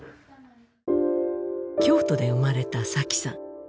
京都で生まれた紗妃さん